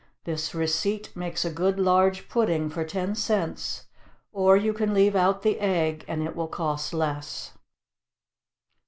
This receipt makes a good large pudding for ten cents; or you can leave out the egg and it will cost less.